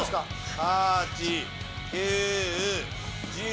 ８・９・１０。